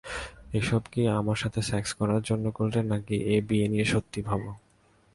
এসব কি আমার সাথে সেক্স করার জন্য করলে নাকি এ বিয়ে নিয়ে সত্যিই ভাবো?